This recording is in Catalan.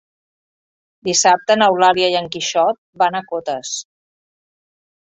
Dissabte n'Eulàlia i en Quixot van a Cotes.